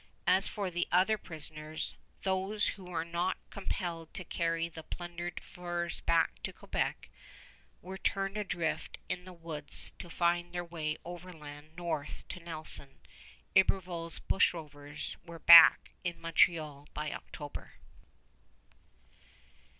As for the other prisoners, those who were not compelled to carry the plundered furs back to Quebec, were turned adrift in the woods to find their way overland north to Nelson. Iberville's bushrovers were back in Montreal by October.